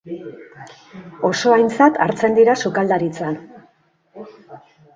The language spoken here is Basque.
Oso aintzat hartzen dira sukaldaritzan.